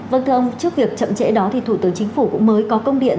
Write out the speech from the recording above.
vâng thưa ông trước việc chậm trễ đó thì thủ tướng chính phủ cũng mới có công điện